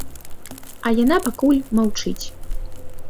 А яна пакуль маўчыць.